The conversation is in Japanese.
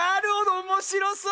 おもしろそう！